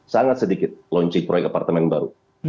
sangat sedikit launching proyek apartemen baru